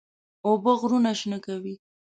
اوبه غرونه شنه کوي.